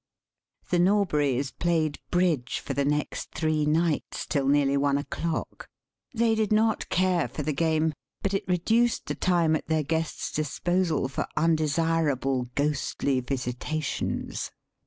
The Norburys played bridge for the next three nights till nearly one o'clock; they did not care for the game, but it reduced the time at their guest's disposal for undesirable ghostly visitations.